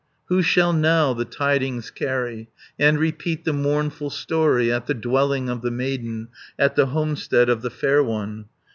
Who shall now the tidings carry. And repeat the mournful story, At the dwelling of the maiden, At the homestead of the fair one?